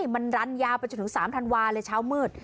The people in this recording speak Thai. มันรันยาวไปจนถึง๓ธันวาเลยเช้ามืด